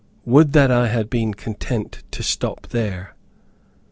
Would that I had been content to stop here.